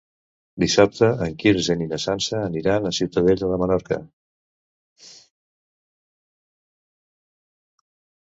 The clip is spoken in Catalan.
Dissabte en Quirze i na Sança aniran a Ciutadella de Menorca.